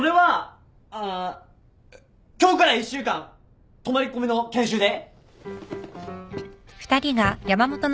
あ今日から１週間泊まり込みの研修で。